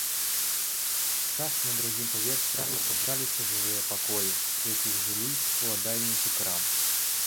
Часта на другім паверсе размяшчаліся жылыя пакоі, у якіх жылі ўладальнікі крам.